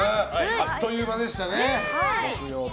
あっという間でしたね、木曜日。